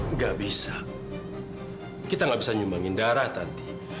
nggak bisa kita nggak bisa nyumbangin darah nanti